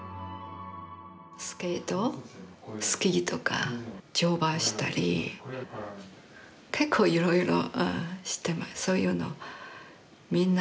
スケートスキーとか乗馬したり結構いろいろ。